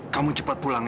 kamu cepat pulang ya